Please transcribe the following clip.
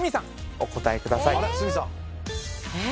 お答えくださいえっ？